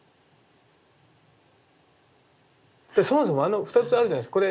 そもそもあの２つあるじゃないですか